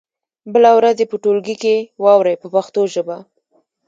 بله ورځ یې په ټولګي کې واورئ په پښتو ژبه.